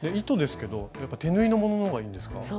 糸ですけどやっぱ手縫いのものの方がいいんですか？